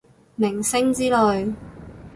明星之類